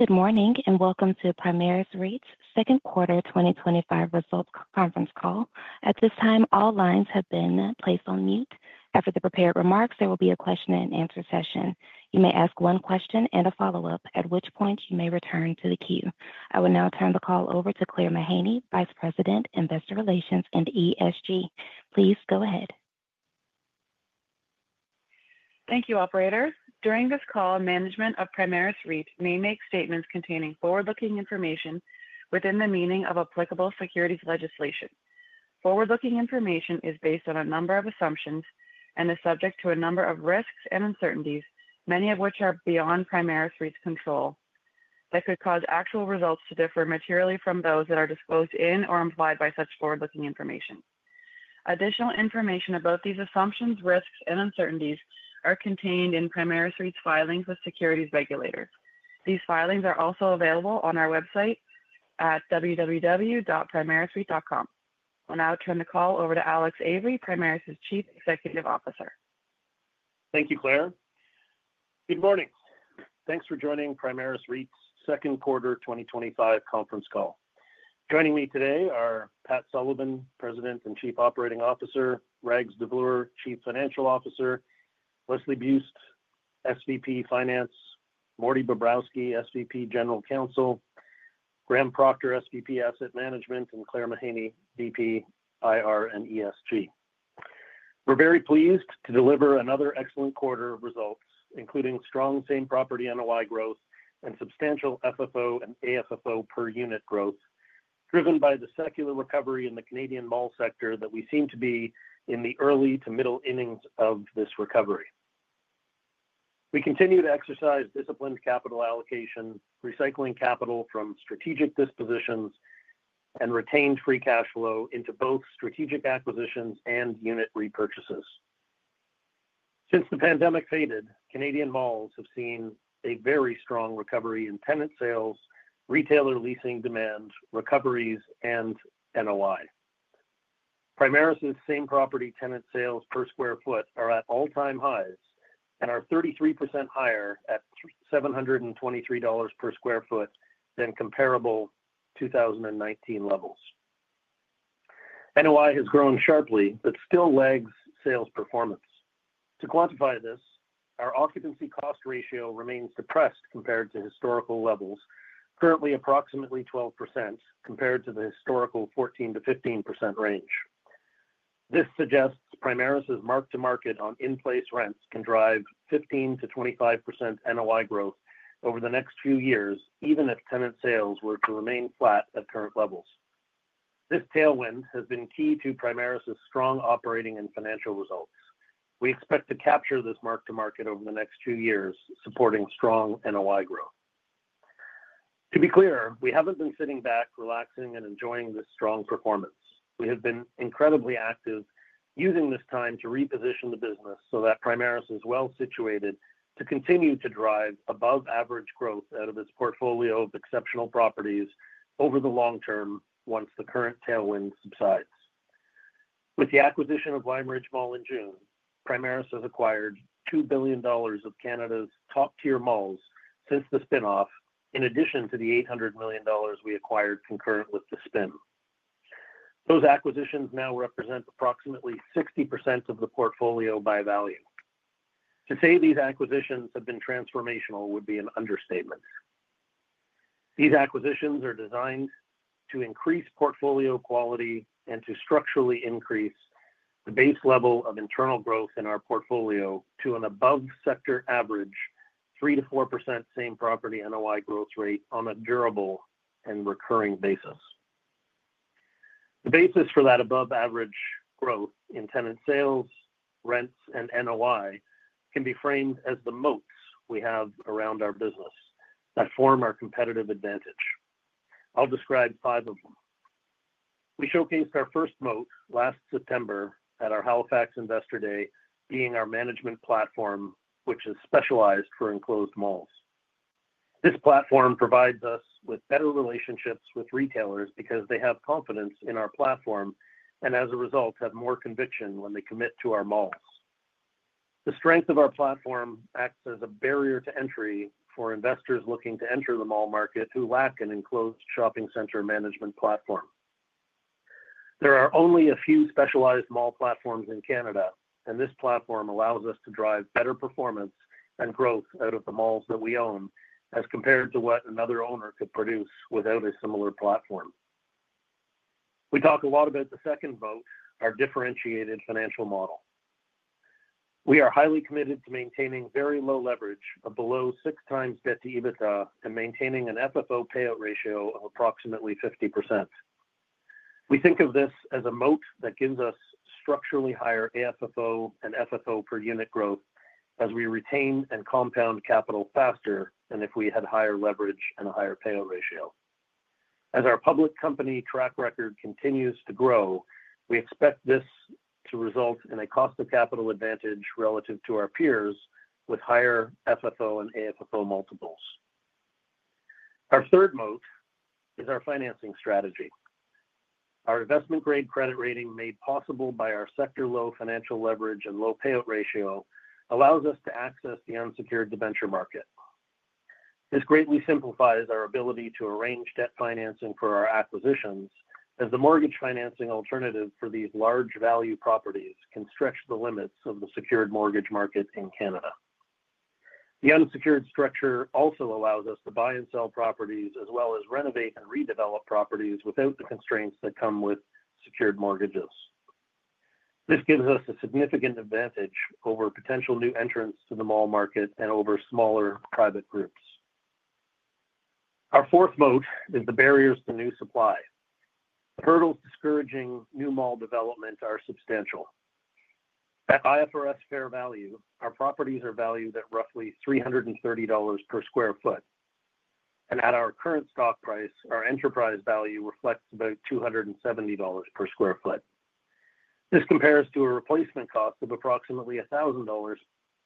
Good morning and welcome to Primaris Real Estate Investment Trust second quarter 2025 results conference call. At this time, all lines have been placed on mute. After the prepared remarks, there will be a question and answer session. You may ask one question and a follow-up, at which point you may return to the queue. I will now turn the call over to Claire Mahaney, Vice President, Investor Relations and ESG. Please go. Thank you, Operator. During this call, management of Primaris REIT may make statements containing forward-looking information within the meaning of applicable securities legislation. Forward-looking information is based on a number of assumptions and is subject to a number of risks and uncertainties, many of which are beyond Primaris REIT's control, that could cause actual results to differ materially from those that are disclosed in or implied by such forward-looking information. Additional information about these assumptions, risks, and uncertainties are contained in Primaris REIT's filings with securities regulators. These filings are also available on our website at www.primarisreit.com. I'll now turn the call over to Alex Avery, Primaris' Chief Executive Officer. Thank you, Claire. Good morning. Thanks for joining Primaris REIT's second quarter 2025 conference call. Joining me today are Pat Sullivan, President and Chief Operating Officer, Raghunath Davloor, Chief Financial Officer, Leslie Buist, SVP, Finance, Mordy Bobrowsky, SVP, General Counsel, Graham Procter, SVP, Asset Management, and Claire Mahaney, VP, IR and ESG. We're very pleased to deliver another excellent quarter of results, including strong same property NOI growth and substantial FFO and AFFO per unit growth driven by the secular recovery in the Canadian mall sector that we seem to be in the early to middle innings of this recovery. We continue to exercise disciplined capital allocation, recycling capital from strategic dispositions and retained free cash flow into both strategic acquisitions and unit repurchases. Since the pandemic faded, Canadian malls have seen a very strong recovery in tenant sales, retailer leasing demand recoveries, and NOI. Primaris same property tenant sales per square foot are at all-time highs and are 33% higher at $723 per square foot than comparable 2019 levels. NOI has grown sharply but still lags sales performance. To quantify this, our occupancy cost ratio remains depressed compared to historical levels, currently approximately 12% compared to the historical 14%-15% range. This suggests Primaris mark to market on in-place rents can drive 15%-25% NOI growth over the next few years even if tenant sales were to remain flat at current levels. This tailwind has been key to Primaris strong operating and financial results. We expect to capture this mark to market over the next two years, supporting strong NOI growth. To be clear, we haven't been sitting back relaxing and enjoying this strong performance. We have been incredibly active, using this time to reposition the business so that Primaris is well situated to continue to drive above average growth out of its portfolio of exceptional properties over the long term once the current tailwind subsides. With the acquisition of Lime Ridge Mall in June, Primaris has acquired $2 billion of Canada's top tier malls since the spinoff. In addition to the $800 million we acquired concurrent with the spin, those acquisitions now represent approximately 60% of the portfolio by value. To say these acquisitions have been transformational would be an understatement. These acquisitions are designed to increase portfolio quality and to structurally increase the base level of internal growth in our portfolio to an above sector average 3%-4%. Same property NOI growth rate on a durable and recurring basis. The basis for that above average growth in tenant sales, rents, and NOI can be framed as the moats we have around our business that form our competitive advantage. I'll describe five of them. We showcased our first moat last September at our Halifax Investor Day, being our management platform which is specialized for enclosed malls. This platform provides us with better relationships with retailers because they have confidence in our platform and as a result have more conviction when they commit to our malls. The strength of our platform acts as a barrier to entry for investors looking to enter the mall market who lack an enclosed shopping centre management platform. There are only a few specialized mall platforms in Canada, and this platform allows us to drive better performance and growth out of the malls that we own as compared to what another owner could produce without a similar platform. We talk a lot about the second moat, our differentiated financial model. We are highly committed to maintaining very low leverage of below 6x debt to EBITDA and maintaining an FFO payout ratio of approximately 50%. We think of this as a moat that gives us structurally higher AFFO and FFO per unit growth as we retain and compound capital faster than if we had higher leverage and a higher payout ratio. As our public company track record continues to grow, we expect this to result in a cost of capital advantage relative to our peers with higher FFO and AFFO multiples. Our third moat is our financing strategy. Our investment grade credit rating, made possible by our sector low financial leverage and low payout ratio, allows us to access the unsecured debenture market. This greatly simplifies our ability to arrange debt financing for our acquisitions as the mortgage financing alternative for these large value properties can stretch the limits of the secured mortgage market in Canada. The unsecured structure also allows us to buy and sell properties as well as renovate and redevelop properties without the constraints that come with secured mortgages. This gives us a significant advantage over potential new entrants to the mall market and over smaller private groups. Our fourth moat is the barriers to new supply. Hurdles discouraging new mall development are substantial. At IFRS fair value, our properties are valued at roughly $330 per square foot, and at our current stock price, our enterprise value reflects about $270 per square foot. This compares to a replacement cost of approximately $1,000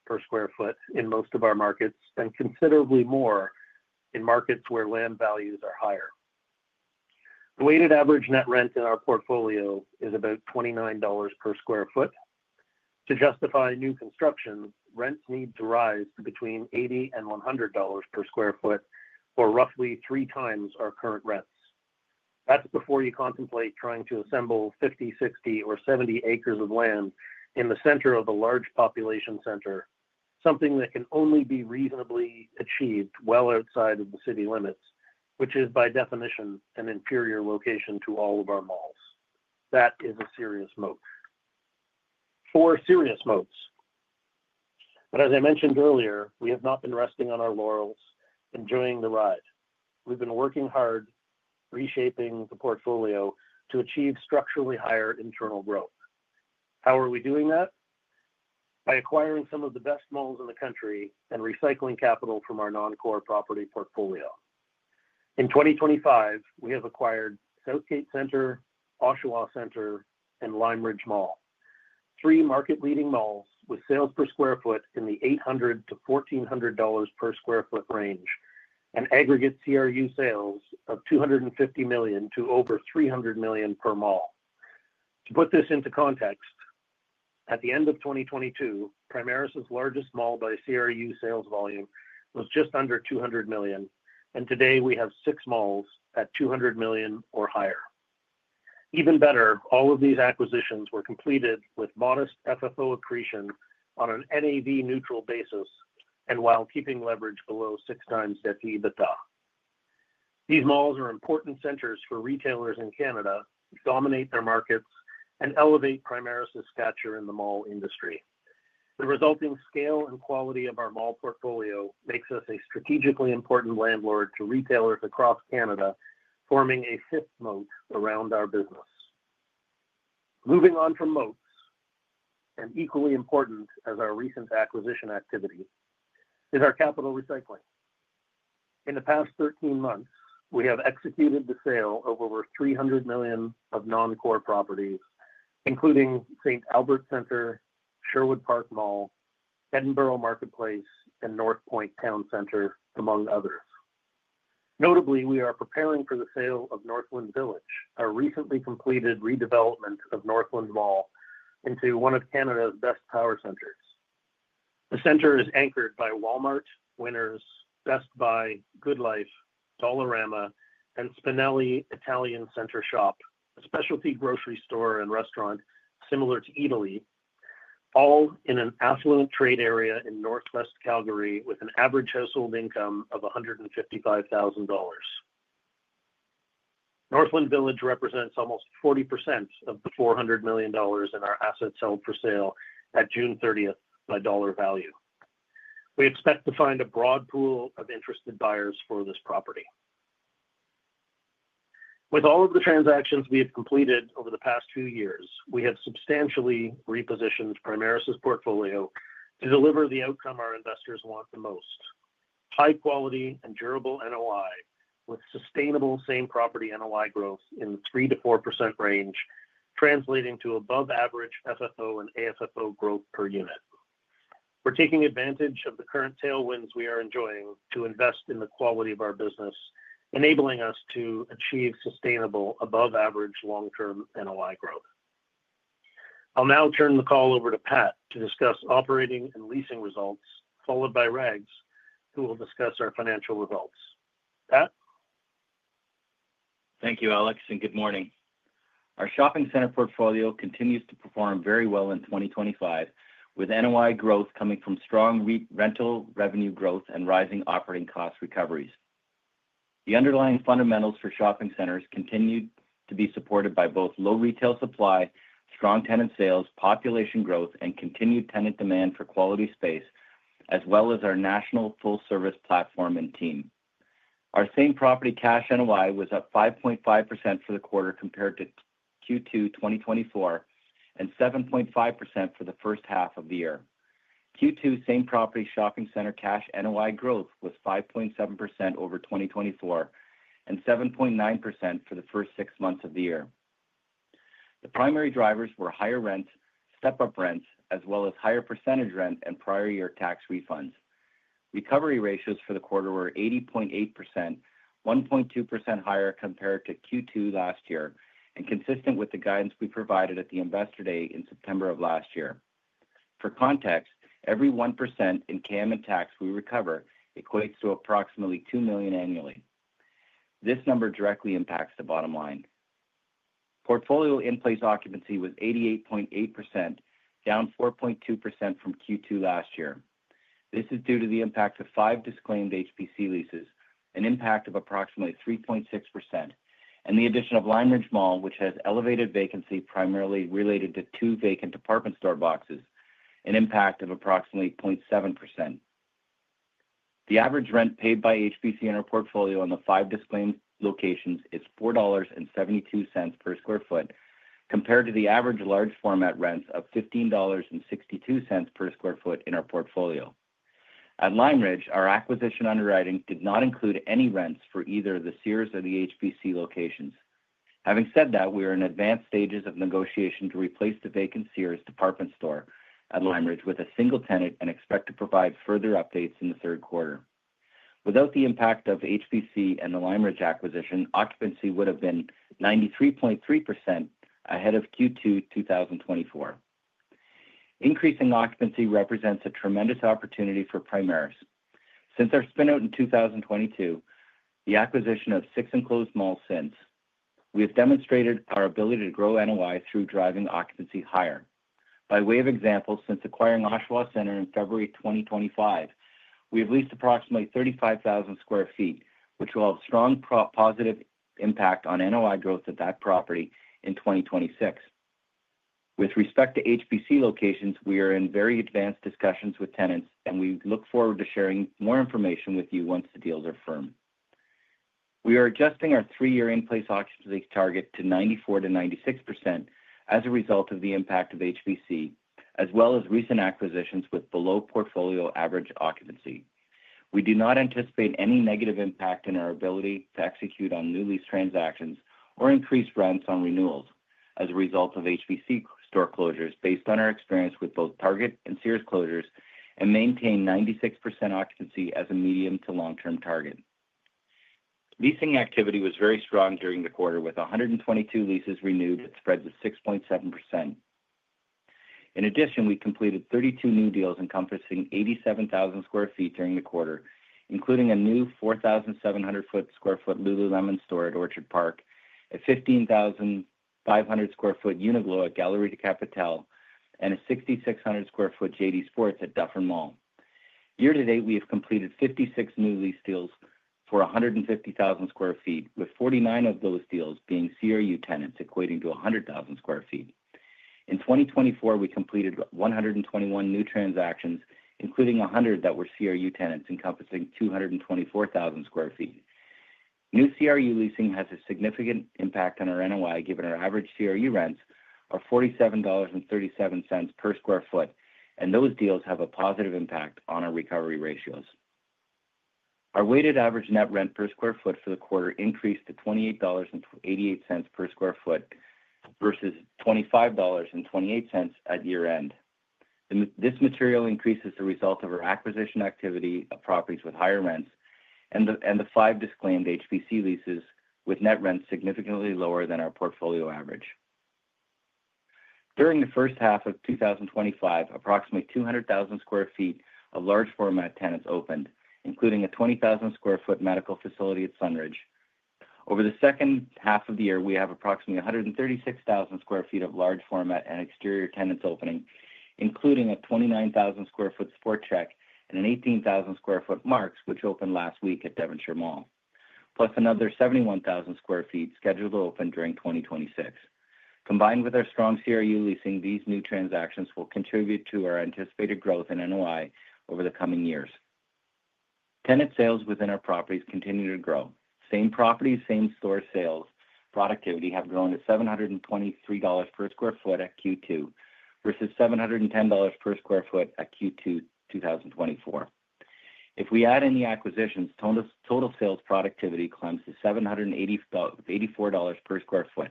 per square foot in most of our markets and considerably more in markets where land values are higher. The weighted average net rent in our portfolio is about $29 per square foot. To justify new construction, rents need to rise between $80 and $100 per square foot, or roughly three times our current rents. That is before you contemplate trying to assemble 50, 60, or 70 acres of land in the center of a large population center, something that can only be reasonably achieved well outside of the city limits, which is by definition an inferior location to all of our malls. That is a serious moat. Four serious moats, but as I mentioned earlier, we have not been resting on our laurels enjoying the ride. We've been working hard reshaping the portfolio to achieve structurally higher internal growth. How are we doing that? By acquiring some of the best malls in the country and recycling capital from our non-core property portfolio. In 2023, we have acquired Southgate Centre, Oshawa Centre, and Lime Ridge Mall, three market-leading malls with sales per square foot in the $800-$1,400 per square foot range. Aggregate CRU sales of $250 million to over $300 million per mall. To put this into context, at the end of 2022, Primaris' largest mall by CRU sales volume was just under $200 million, and today we have six malls at $200 million or higher. Even better, all of these acquisitions were completed with modest FFO accretion on an NAV-neutral basis and while keeping leverage below six times EBITDA. These malls are important centers for retailers in Canada, dominate their markets, and elevate Primaris' stature in the mall industry. The resulting scale and quality of our mall portfolio makes us a strategically important landlord to retailers across Canada, forming a fifth moat around our business. Moving on from moat, and equally important as our recent acquisition activity, is our capital recycling. In the past 13 months, we have executed the sale of over $300 million of non-core properties, including St. Albert Centre, Sherwood Park Mall, Edinburgh Marketplace, and Northpointe Town Centre, among others. Notably, we are preparing for the sale of Northland Village, a recently completed redevelopment of Northland Mall into one of Canada's best power centers. The center is anchored by Walmart, Winners, Best Buy, GoodLife, Dollarama, and Spinelli Italian Centre Shop, a specialty grocery store and restaurant similar to Eataly, all in an affluent trade area in Northwest Calgary. With an average household income of $155,000, Northland Village represents almost 40% of the $400 million in our assets held for sale at June 30. By dollar value, we expect to find a broad pool of interested buyers for this property. With all of the transactions we've completed over the past few years, we have substantially repositioned the Primaris portfolio to deliver the outcome our investors want the most: high quality and durable NOI. With sustainable same property NOI growth in the 3%-4% range translating to above average FFO and AFFO growth per unit, we're taking advantage of the current tailwinds we are enjoying to invest in the quality of our business, enabling us to achieve sustainable above average long term NOI growth. I'll now turn the call over to Pat to discuss operating and leasing results, followed by Rags who will discuss our financial results. Pat, Thank you, Alex, and good morning. Our shopping center portfolio continues to perform very well in 2025 with NOI growth coming from strong rental revenue growth and rising operating cost recoveries. The underlying fundamentals for shopping centers continue to be supported by both low retail supply and strong tenant sales, population growth, and continued tenant demand for quality space as well as our national full service platform and team. Our same property cash NOI was up 5.5% for the quarter compared to Q2 2024 and 7.5% for the first half of the year. Q2 same property shopping center cash NOI growth was 5.7% over 2024 and 7.9% for the first six months of the year. The primary drivers were higher rents, step up rents, as well as higher percentage rent and prior year tax refunds. Recovery ratios for the quarter were 80.8%, 1.2% higher compared to Q2 last year and consistent with the guidance we provided at the Investor Day in September of last year. For context, every 1% in common area tax we recover equates to approximately $2 million annually. This number directly impacts the bottom line. Portfolio in place occupancy was 88.8%, down 4.2% from Q2 last year. This is due to the impact of five disclaimed HBC leases, an impact of approximately 3.6%, and the addition of Lime Ridge Mall, which has elevated vacancy primarily related to two vacant department store boxes, an impact of approximately 0.7%. The average rent paid by HBC in our portfolio on the five disclaimed locations is $4.72 per square foot compared to the average large format rents of $15.62 per square foot in our portfolio at Lime Ridge. Our acquisition underwriting did not include any rents for either the Sears or the HBC locations. Having said that, we are in advanced stages of negotiation to replace the vacant Sears department store at Lime Ridge with a single tenant and expect to provide further updates in the third quarter. Without the impact of HBC and the Lime Ridge acquisition, occupancy would have been 93.3% ahead of Q2 2024. Increasing occupancy represents a tremendous opportunity for Primaris since our spin out in 2022 and the acquisition of six enclosed malls. Since then, we have demonstrated our ability to grow NOI through driving occupancy higher. By way of example, since acquiring Oshawa Centre in February 2025, we have leased approximately 35,000 square feet, which will have strong positive impact on NOI growth at that property in 2026. With respect to HBC locations, we are in very advanced discussions with tenants, and we look forward to sharing more information with you once the deals are firm. We are adjusting our three-year in-place occupancy target to 94%-96% as a result of the impact of HBC as well as recent acquisitions with below portfolio average occupancy. We do not anticipate any negative impact in our ability to execute on new lease transactions or increase rents on renewals as a result of HBC store closures. Based on our experience with both Target and Sears closures and maintain 96% occupancy as a medium to long term. Target leasing activity was very strong during the quarter with 122 leases renewed that spread to 6.7%. In addition, we completed 32 new deals encompassing 87,000 sq ft during the quarter, including a new 4,700 sq ft lululemon store at Orchard Park, a 15,500 sq ft UNIQLO at Galerie di Capitale, and a 6,600 sq ft JD Sports at Dufferin Mall. Year to date, we have completed 56 new lease deals for 150,000 sq ft, with 49 of those deals being CRU tenants equating to 100,000 sq ft. In 2024, we completed 121 new transactions, including 100 that were CRU tenants encompassing 224,000 sq ft. New CRU leasing has a significant impact on our NOI given our average CRU rents of $47.37 per square foot, and those deals have a positive impact on our recovery ratios. Our weighted average net rent per square foot for the quarter increased to $28.88 per square foot versus $25.28 at year end. This material increase is the result of our acquisition activity of properties with higher rents and the five disclaimed HBC leases with net rent significantly lower than our portfolio average. During the first half of 2025, approximately 200,000 square feet of large format tenants opened, including a 20,000 sq ft medical facility at Sunridge. Over the second half of the year, we have approximately 136,000 sq ft of large format and exterior tenants opening, including a 29,000 sq ft SportChek and an 18,000 sq ft Mark's, which opened last week at Devonshire Mall, plus another 71,000 sq ft scheduled to open during 2026. Combined with our strong CRU leasing, these new transactions will contribute to our anticipated growth in NOI over the coming years. Tenant sales within our properties continue to grow. Same properties same store sales productivity have grown at $723 per square foot at Q2 versus $710 per square foot at Q2 2024. If we add in the acquisitions, total sales productivity climbs to $784 per square foot.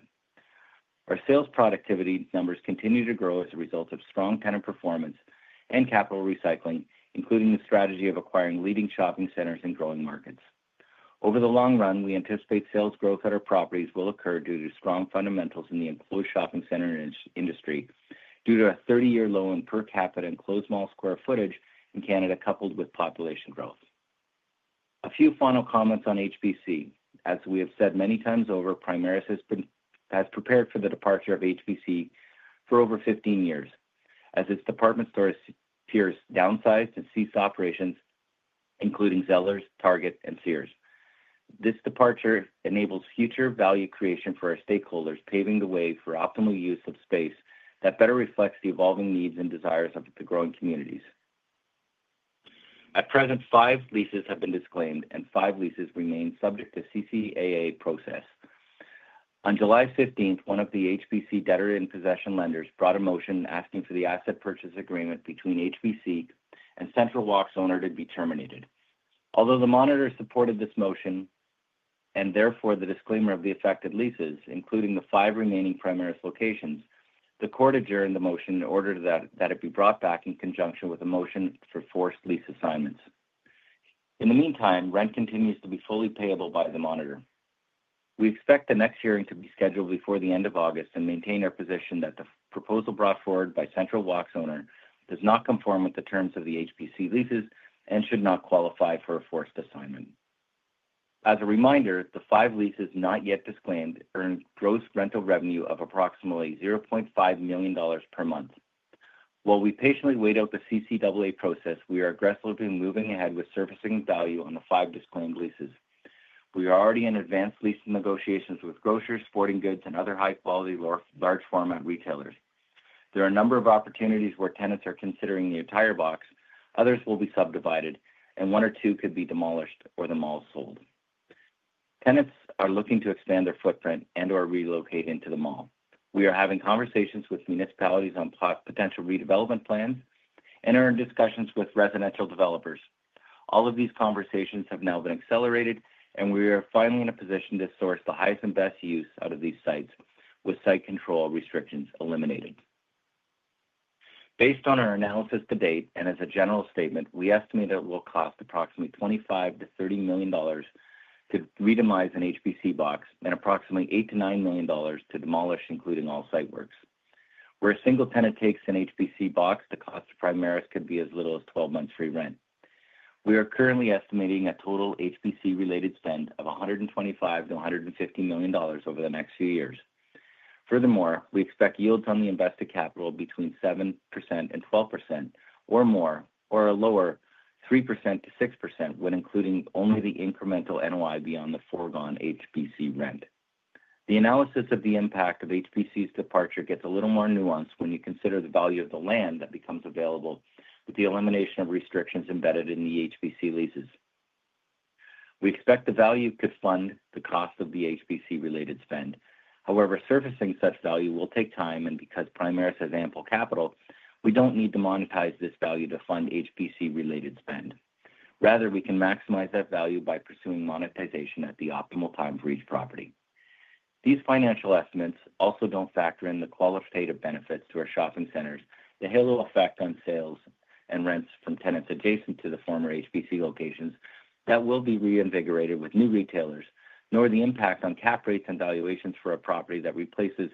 Our sales productivity numbers continue to grow as a result of strong tenant performance and capital recycling, including the strategy of acquiring leading shopping centres in growing markets. Over the long run, we anticipate sales growth at our properties will occur due to strong fundamentals in the enclosed shopping centre industry due to a 30-year low in per capita enclosed mall square footage in Canada coupled with population growth. A few final comments on HBC. As we have said many times over, Primaris has prepared for the departure of HBC for over 15 years as its department stores Sears downsized and ceased operations, including Zellers, Target, and Sears. This departure enables future value creation for our stakeholders, paving the way for optimal use of space that better reflects the evolving needs and desires of the growing communities. At present, five leases have been disclaimed and five leases remain subject to the CCAA process. On July 15, one of the HBC debtor-in-possession lenders brought a motion asking for the asset purchase agreement between HBC and Central Walk's owner to be terminated. Although the Monitor supported this motion and therefore the disclaimer of the affected leases, including the five remaining Primaris locations, the court adjourned. The motion ordered that it be brought back in conjunction with a motion for forced lease assignments. In the meantime, rent continues to be fully payable by the Monitor. We expect the next hearing to be scheduled before the end of August and maintain our position that the proposal brought forward by Central Walk's owner does not conform with the terms of the HBC leases and should not qualify for a forced assignment. As a reminder, the five leases not yet disclaimed earn gross rental revenue of approximately $0.5 million per month. While we patiently wait out the CCAA process, we are aggressively moving ahead with servicing value on the five disclaimed. We are already in advanced lease negotiations with grocers, sporting goods, and other high quality large format retailers. There are a number of opportunities where tenants are considering the entire box, others will be subdivided, and one or two could be demolished or the mall sold. Tenants are looking to expand their footprint and or relocate into the mall. We are having conversations with municipalities on potential redevelopment plans and are in discussions with residential developers. All of these conversations have now been accelerated, and we are finally in a position to source the highest and best use out of these sites with site control restrictions eliminated. Based on our analysis to date and as a general statement, we estimate it will cost approximately $25 million-$30 million to redevelop an HBC box and approximately $8 million-$9 million to demolish, including all site works. Where a single tenant takes an HBC box, the cost to Primaris could be as little as 12 months free rent. We are currently estimating a total HBC-related spend of $125 million-$150 million over the next few years. Furthermore, we expect yields on the invested capital between 7% and 12% or more, or a lower 3%-6% when including only the incremental NOI beyond the foregone HBC rent. The analysis of the impact of HBC's departure gets a little more nuanced when you consider the value of the land that becomes available. With the elimination of restrictions embedded in the HBC leases, we expect the value to fund the cost of the HBC-related spend. However, surfacing such value will take time, and because Primaris has ample capital, we don't need to monetize this value to fund HBC-related spend. Rather, we can maximize that value by pursuing monetization at the optimal time for each property. These financial estimates also don't factor in the qualitative benefits to our shopping centres, the halo effect on sales and rents from tenants adjacent to the former HBC locations that will be reinvigorated with new retailers, nor the impact on cap rates and valuations for a property that replaces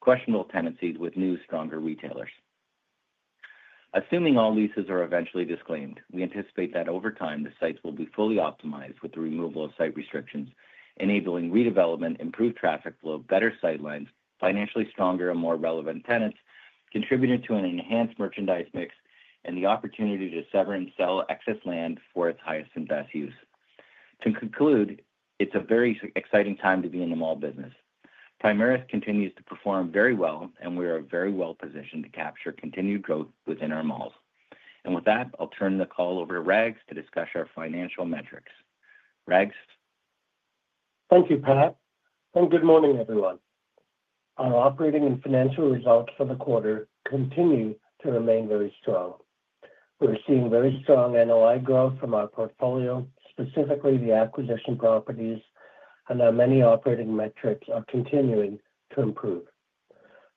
questionable tenancies with new, stronger retailers. Assuming all leases are eventually disclaimed, we anticipate that over time the sites will be fully optimized with the removal of site restrictions enabling redevelopment, improved traffic flow, better sight lines, financially stronger and more relevant tenants contributing to an enhanced merchandise mix, and the opportunity to sever and sell excess land for its highest and best use. To conclude, it's a very exciting time to be in the mall business. Primaris continues to perform very well, and we are very well positioned to capture continued growth within our malls. With that, I'll turn the call over to Rags to discuss our financial metrics. Rags, Thank you Pat, and good morning everyone. Our operating and financial results for the quarter continue to remain very strong. We're seeing very strong NOI growth from our portfolio, specifically the acquisition properties, and our many operating metrics are continuing to improve.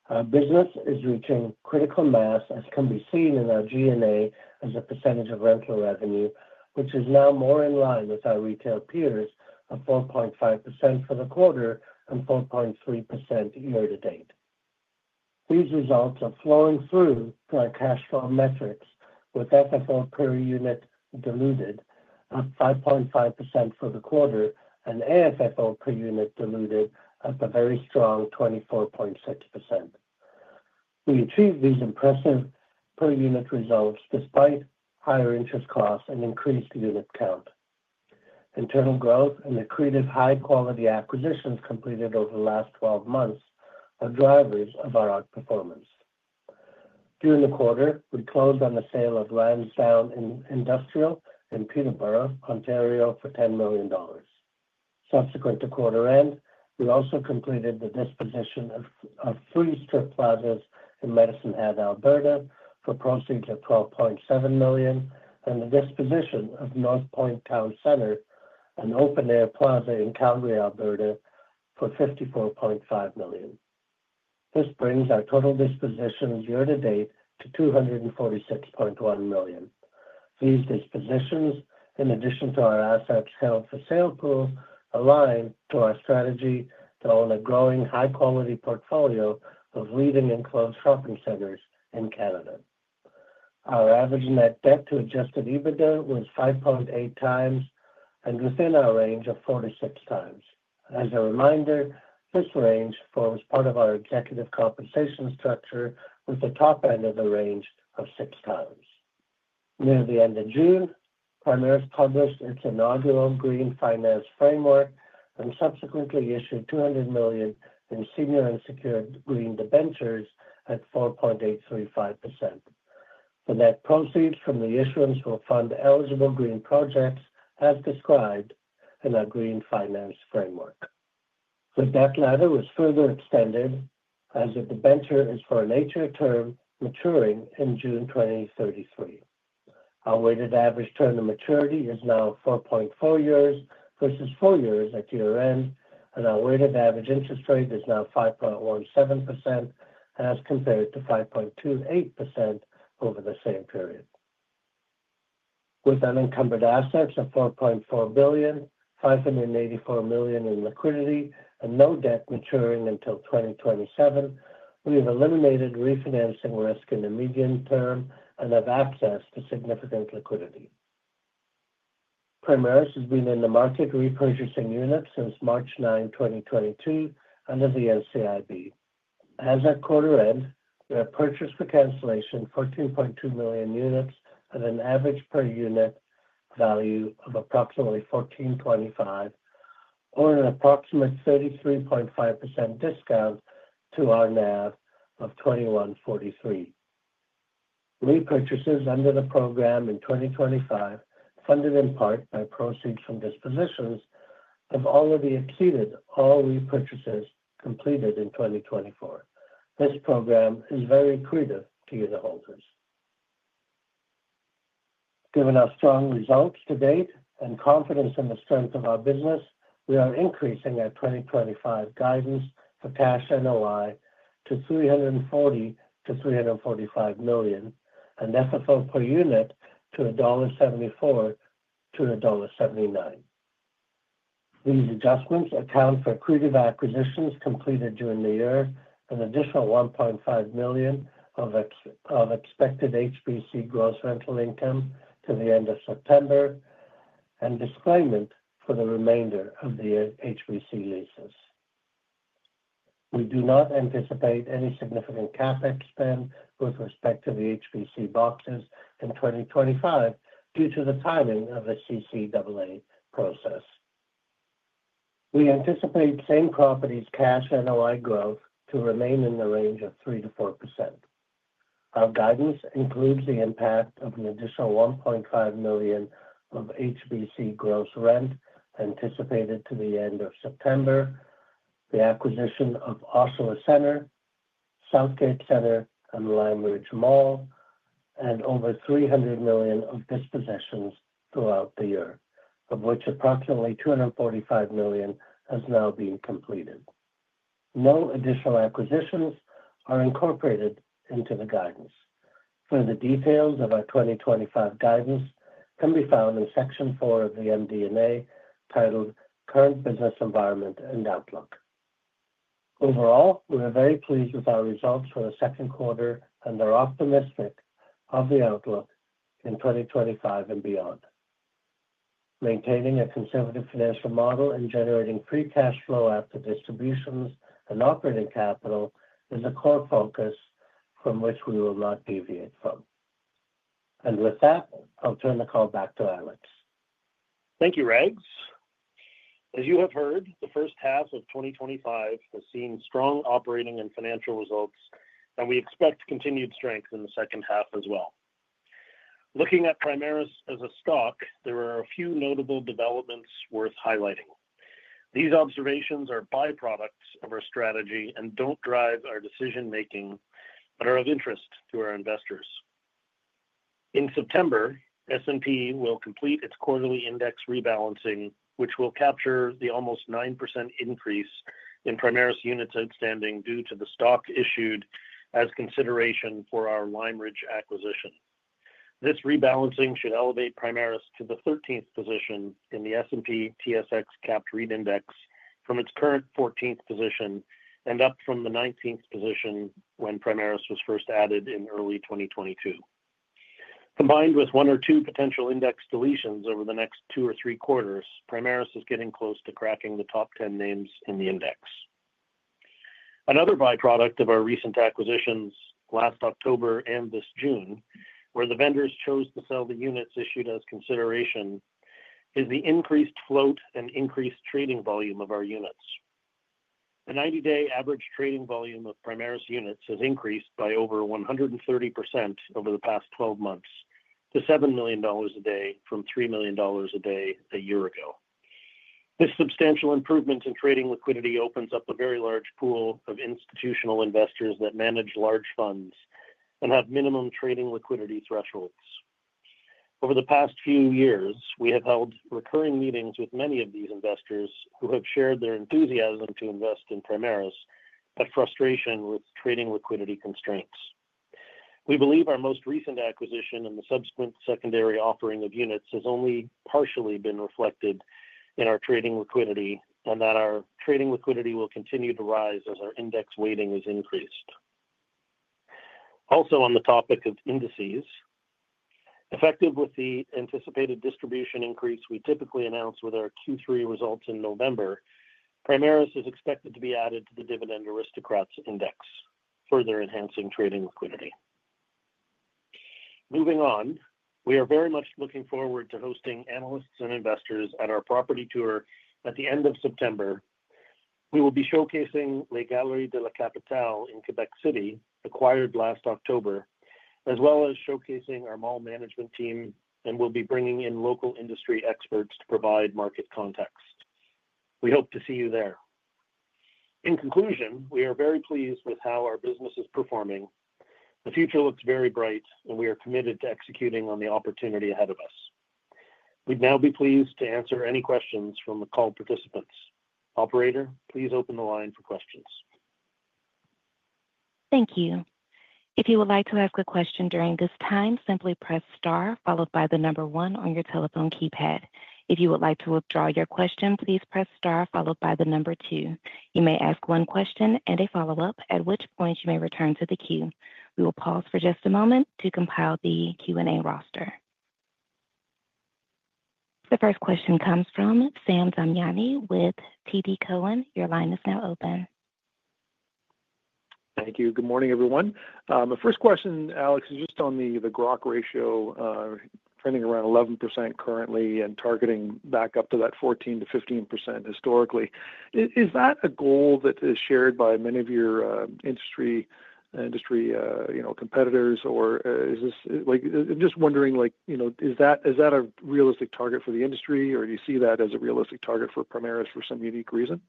Our business is reaching critical mass as can be seen in our G&A as a percentage of rental revenue, which is now more in line with our retail peers at 4.5% for the quarter and 4.3% year to date. These results are flowing through to our cash flow metrics, with FFO per unit diluted up 5.5% for the quarter and AFFO per unit diluted up a very strong 24.6%. We achieved these impressive per unit results despite higher interest costs and increased unit count. Internal growth and accretive high quality acquisitions completed over the last 12 months are drivers of our outperformance. During the quarter, we closed on the sale of Lansdowne Industrial in Peterborough, Ontario for $10 million. Subsequent to quarter end, we also completed the disposition of three strip plazas in Medicine Hat, Alberta for approximately $12.7 million and the disposition of Northpointe Town Centre, an open air plaza in Calgary, Alberta for $54.5 million. This brings our total dispositions year to date to $246.1 million. These dispositions, in addition to our assets held for sale pool, align to our strategy to own a growing high quality portfolio of leading enclosed shopping centres in Canada. Our average net debt to adjusted EBITDA was 5.8x and within our range of 4x-6x. As a reminder, this range forms part of our executive compensation structure, with the top end of the range at 6x. Near the end of June, Primaris published its inaugural Green Finance Framework and subsequently issued $200 million in senior unsecured green debentures at 4.835%. The net proceeds from the issuance will fund eligible green projects as described in our Green Finance Framework. The debt ladder was further extended as the debenture is for a 9-year term maturing in June 2033. Our weighted average term of maturity is now 4.4 years versus 4 years at year end, and our weighted average interest rate is now 5.17% as compared to 5.28% over the same period. With unencumbered assets of $4.4 billion, $584 million in liquidity, and no debt maturing until 2027, we have eliminated refinancing risk in the medium term and have access to significant liquidity. Primaris has been in the market repurchasing units since March 9, 2022 under the NCIB. As at quarter end, we have purchased for cancellation 14.2 million units at an average per unit value of approximately $14.25, or an approximate 33.5% discount to our NAV of $21.43. Repurchases under the program in 2025, funded in part by proceeds from dispositions, have already exceeded all repurchases completed in 2024. This program is very accretive to the holders. Given our strong results to date and confidence in the strength of our business, we are increasing our 2025 guidance for cash NOI to $340 million-$345 million and FFO per unit to $1.74 to $1.79. These adjustments account for accretive acquisitions completed during the year, an additional $1.5 million of expected HBC gross rental income to the end of September, and disclaimment for the remainder of the HBC leases. We do not anticipate any significant CapEx spend with respect to the HBC boxes in 2025. Due to the timing of the CCAA process, we anticipate same property cash NOI growth to remain in the range of 3%-4%. Our guidance includes the impact of the additional $1.5 million of HBC gross rent anticipated to the end of September, the acquisition of Oshawa Centre, Southgate Centre, and Lime Ridge Mall, and over $300 million of dispositions throughout the year, of which approximately $245 million has now been completed. No additional acquisitions are incorporated into the guidance. Further details of our 2025 guidance can be found in section 4 of the MD&A titled Current Business Environment and Outlook. Overall, we are very pleased with our results for the second quarter and are optimistic of the outlook in 2025 and beyond. Maintaining a conservative financial model and generating free cash flow after distributions and operating capital is a core focus from which we will not deviate. With that, I'll turn the call. Back to Alex Thank you. Rags, as you have heard, the first half of 2025 has seen strong operating and financial results, and we expect continued strength in the second half as well. Looking at Primaris as a stock, there are a few notable developments worth highlighting. These observations are byproducts of our strategy and don't drive our decision making, but are of interest to our investors. In September, S&P will complete its quarterly index rebalancing, which will capture the almost 9% increase in Primaris units outstanding due to the stock issued as consideration for our Lime Ridge Mall acquisition. This rebalancing should elevate Primaris to the 13th position in the S&P/TSX Capped REIT Index from its current 14th position and up from the 19th position when Primaris was first added in early 2022. Combined with one or two potential index deletions over the next two or three quarters, Primaris is getting close to cracking the top 10 names in the index. Another byproduct of our recent acquisitions last October and this June, where the vendors chose to sell the units issued as consideration, is the increased float and increased trading volume of our units. The 90-day average trading volume of Primaris units has increased by over 130% over the past 12 months to $7 million a day from $3 million a day a year ago. This substantial improvement in trading liquidity opens up a very large pool of institutional investors that manage large funds and have minimum trading liquidity thresholds. Over the past few years, we have held recurring meetings with many of these investors who have shared their enthusiasm to invest in Primaris. A frustration with trading liquidity constraints, we believe our most recent acquisition and the subsequent secondary offering of units has only partially been reflected in our trading liquidity and that our trading liquidity will continue to rise as our index weighting is increased. Also, on the topic of indices, effective with the anticipated distribution increase we typically announce with our Q3 results in November, Primaris is expected to be added to the Dividend Aristocrats Index, further enhancing trading liquidity. Moving on, we are very much looking forward to hosting analysts and investors at our property tour. At the end of September, we will be showcasing Les Galeries de la Capitale in Quebec City, acquired last October, as well as showcasing our mall management team. We will be bringing in local industry experts to provide market context. We hope to see you there. In conclusion, we are very pleased with how our business is performing. The future looks very bright and we are committed to executing on the opportunity ahead of us. We'd now be pleased to answer any questions from the call participants. Operator, please open the line for questions. Thank you. If you would like to ask a question during this time, simply press star followed by the number one on your telephone keypad. If you would like to withdraw your question, please press star followed by the number two. You may ask one question and a follow up, at which point you may return to the queue. We will pause for just a moment to compile the Q&A roster. The first question comes from Sam Damiani with TD Cowen. Your line is now open. Thank you. Good morning, everyone. The first question, Alex, is just on the GROK ratio trending around 11% currently and targeting back up to that 14%-15% historically. Is that a goal that is shared by many of your industry competitors, or is this, like, just wondering, like, you know, is that a realistic target for the industry or do you see that as a realistic target for Primaris for some unique reason?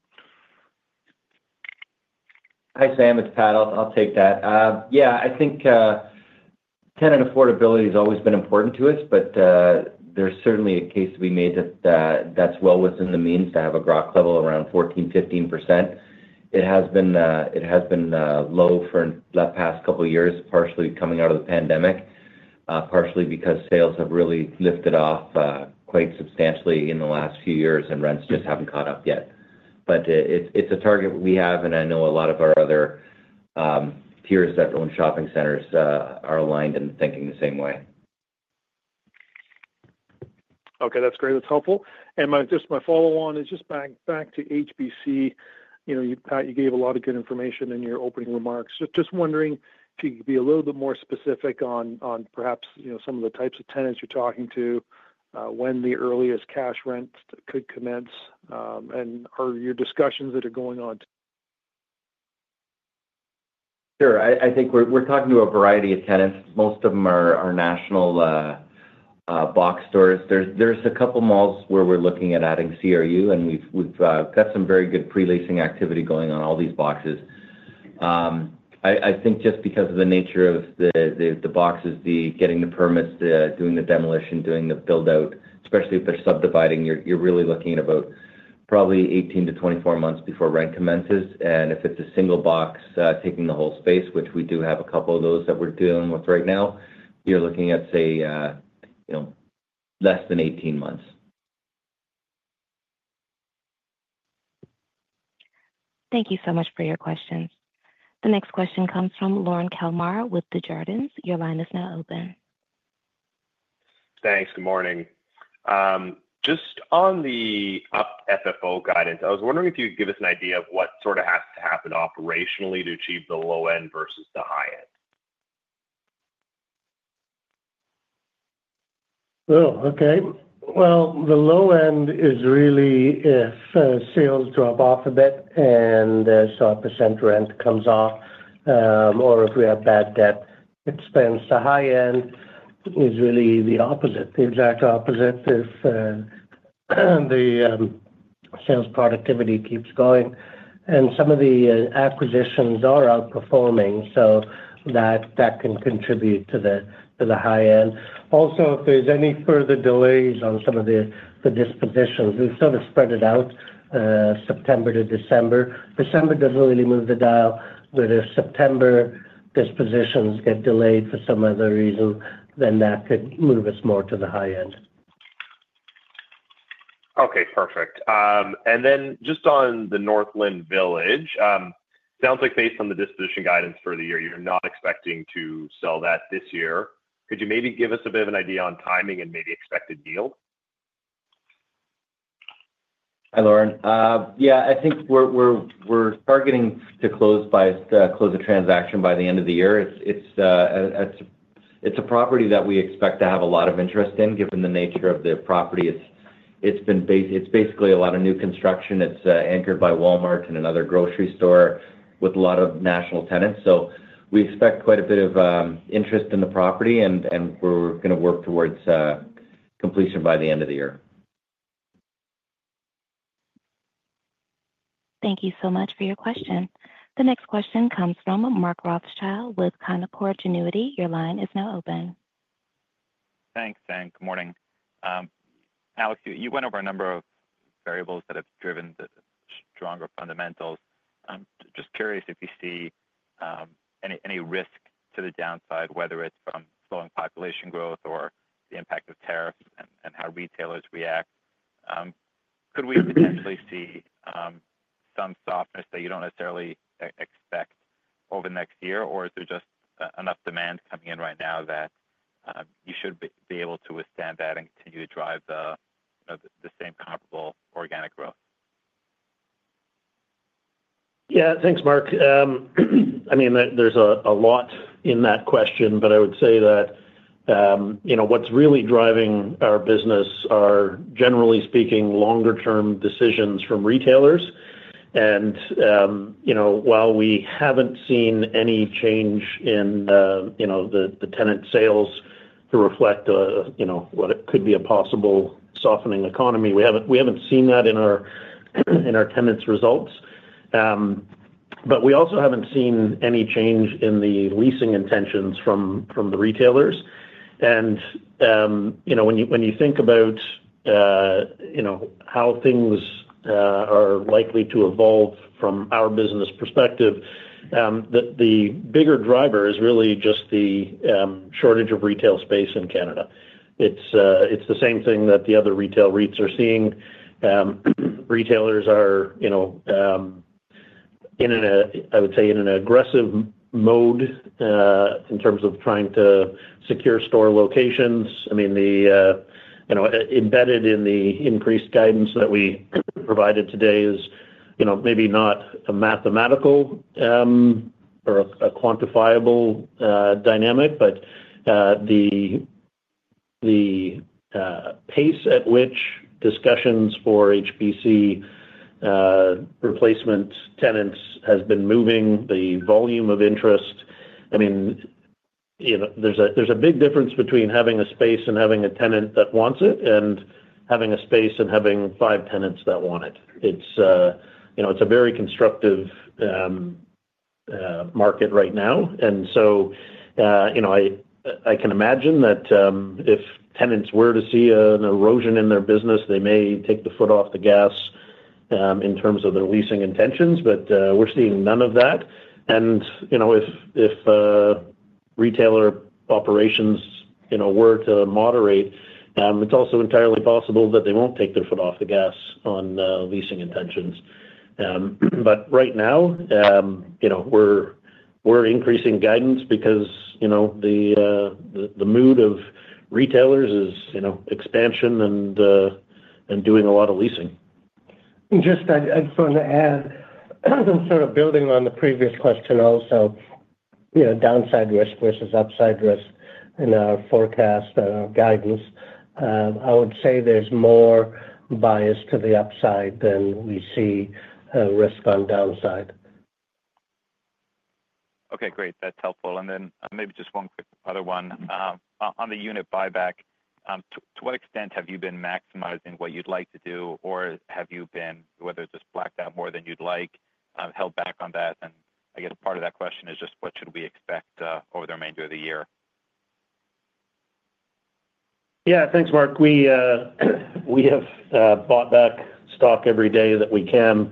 Hi, Sam, it's Pat. I'll take that. I think tenant affordability has always been important to us, but there's certainly a case to be made that that's well within the means to have a grok level around 14%, 15%. It has been low for the past couple of years, partially coming out of the pandemic, partially because sales have really lifted off quite substantially in the last few years and rents just haven't caught up yet. It's a target we have and I know a lot of our other peers that own shopping centers are aligned and thinking the same way. Okay, that's great, that's helpful. My follow on is just back to HBC. You gave a lot of good information in your remarks. Just wondering if you could be a little bit more specific on perhaps, you. Know some of the types of tenants. You're talking to when the earliest cash rent could commence, and are your discussions that ar going on? Sure. I think we're talking to a variety of tenants. Most of them are national box stores. There's a couple malls where we're looking at adding CRU, and we've got some very good pre-leasing activity going on all these boxes. I think just because of the nature of the boxes, getting the permits, doing the demolition, doing the build out, especially if they're subdividing, you're really looking at about probably 18 months-24 months before rent commences. If it's a single box taking the whole space, which we do have a couple of those that we're dealing with right now, you're looking at, say, less than 18 months. Thank you so much for your questions. The next question comes from Lorne Kalmar with Desjardins. Your line is now open. Thanks. Good morning. Just on the FFO guidance, I was wondering if you could give us an idea of what sort of has to happen operationally to achieve the low end versus the high end. Oh, okay. The low end is really if shields drop off a bit and shot percent rent comes off or if we have bad debt expense. The high end is really the exact opposite. If the sales productivity keeps going and some of the acquisitions are outperforming, that can contribute to the high end. Also, if there's any further delays of the dispositions, we sort of spread it out September to December. December doesn't really move the dial. If September dispositions get delayed for some other reason, that could move us more to the high end. Okay, perfect. Just on the Northland Village, sounds like based on the disposition guidance for the year, you're not expecting to sell that this year. Could you maybe give us a bit of an idea on timing and maybe expected yield? Hi, Lorne. Yeah, I think we're targeting to close a transaction by the end of the year. It's a property that we expect to have a lot of interest in, given the nature of the property. It's basically a lot of new construction. It's anchored by Walmart and another grocery store with a lot of national tenants. We expect quite a bit of interest in the property and we're going to work towards completion by the end of the year. Thank you so much for your question. The next question comes from Mark Rothschild with Canaccord Genuity. Your line is now open. Thanks and good morning. Alex, you went over a number of variables that have driven the stronger fundamentals. I'm just curious if you see any risk to the downside, whether it's from slowing population growth or the impact of tariffs and how retailers react. Could we potentially see some softness that you don't necessarily expect over next year, or is there just enough demand coming in right now that you should be able to withstand that and continue to drive the same comparable organic growth? Yeah, thanks, Mark. I mean, there's a lot in that question, but I would say that what's really driving our business are, generally speaking, longer term decisions from retailers. While we haven't seen any change in the tenant sales to reflect what could be a possible softening economy, we haven't seen that in our tenants' results. We also haven't seen any change in the leasing intentions from the retailers. When you think about how things are likely to evolve from our business perspective, the bigger driver is really just the shortage of retail space in Canada. It's the same thing that the other retail REITs are seeing. Retailers are, I would say, in an aggressive mode in terms of trying to secure store locations. Embedded in the increased guidance that we provided today is, maybe not a mathematical or a quantifiable dynamic, but the pace at which discussions for HBC replacement tenancies have been moving, the volume of interest. There's a big difference between having a space and having a tenant that wants it and having a space and having five tenants that want it. It's a very constructive market right now. I can imagine that if tenants were to see an erosion in their business, they may take the foot off the gas in terms of their leasing intentions, but we're seeing none of that. If retailer operations were to moderate, it's also entirely possible that they won't take their foot off the gas on leasing intentions. Right now, we're increasing guidance because the mood of retailers is expansion and doing a lot of leasing. I want to add, sort of building on the previous question, also, you know, downside risk versus upside risk. In our forecast guidance, I would say there's more bias to the upside than we see risk on downside. Okay, great, that's helpful. Maybe just one quick other one on the unit buyback. To what extent have you been maximizing what you'd like to do, or have you been, whether it's just blacked out more than you'd like, held back on that? I get a part of that question is just what should we expect over the remainder of the year? Yeah. Thanks, Mark. We have bought back stock every day that we can.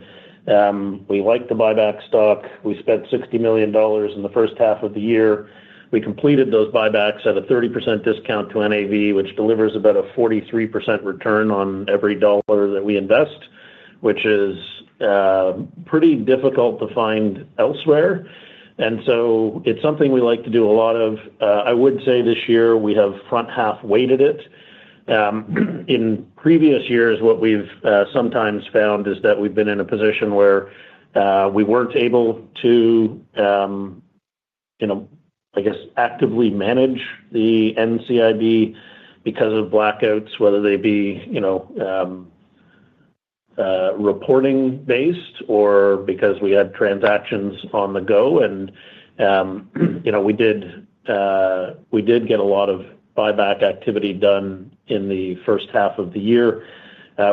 We like to buy back stock. We spent $60 million in the first half of the year. We completed those buybacks at a 30% discount to NAV, which is about a 43% return on every dollar that we invest, which is pretty difficult to find elsewhere. It's something we like to do a lot of. I would say this year we have front half weighted it. In previous years, what we've sometimes found is that we've been in a position where we weren't able to actively manage the NCIB because of blackouts, whether they be reporting based or because we had transactions on the go. We did get a lot of buyback activity done in the first half of the year.